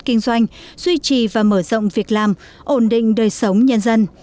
kinh doanh duy trì và mở rộng việc làm ổn định đời sống nhân dân